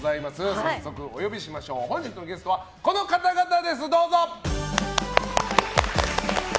早速お呼びしましょう本日のゲストは、この方々です。